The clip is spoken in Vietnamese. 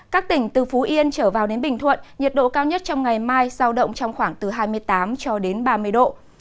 các tỉnh từ phú yên trở vào đến bình thuận nhiệt độ cao nhất trong ngày mai sao động trong khoảng từ hai mươi tám cho đến ba mươi độ